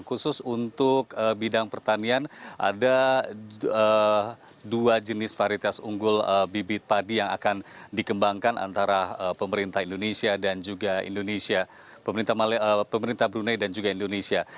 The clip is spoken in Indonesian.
khusus untuk bidang pertanian ada dua jenis varitas unggul bibit padi yang akan dikembangkan antara pemerintah brunei dan juga indonesia